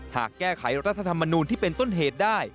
หากแก้ไขรัฐธรรมนูลที่เป็นต้นเหตุได้